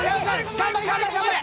頑張れ頑張れ頑張れ！